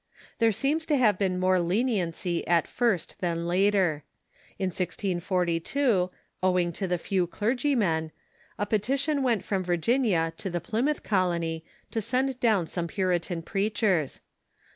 There seems to have been more leniency at first than later. In 1642, owing to the few clergy men, a petition went from Virginia to the Plymouth Colony to send down some Puritan preachers.